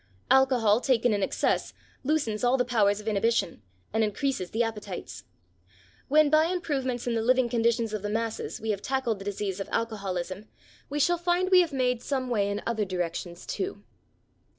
Alcohol taken in excess loosens all the powers of inhibition, and increases the appetites. When by improvements in the living conditions of the masses we have tackled the disease of alcoholism, we shall find we have made some way in other directions too.